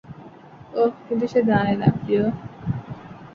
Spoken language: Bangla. ওহ, কিন্তু সে জানেনা, প্রিয়।